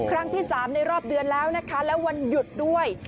ครั้งที่๓ในรอบเดือนแล้วนะคะและวันหยุดด้วย